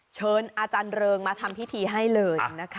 เชิญอาจารย์เริงมาทำพิธีให้เลยนะคะ